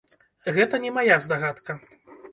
Гэта не мая здагадка.